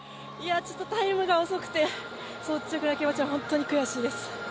ちょっとタイムが遅くて、率直な気持ちは本当に悔しいです。